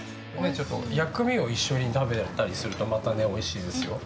薬味を一緒に食べたりするとまたおいしいですよ。